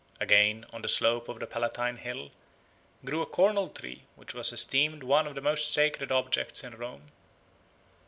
Again, on the slope of the Palatine Hill grew a cornel tree which was esteemed one of the most sacred objects in Rome.